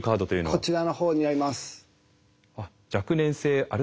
こちらのほうになります。